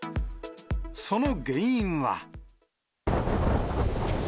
その原因は。